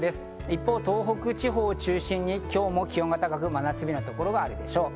一方、東北地方を中心に今日も気温が高く、真夏日のところがあるでしょう。